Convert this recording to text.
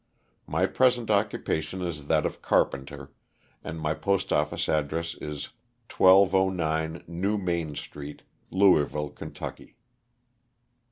My present occupation is that of carpenter, and my postoffice address is 1209 New Main street, Louisville, Kentucky.